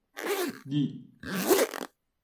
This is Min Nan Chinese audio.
揤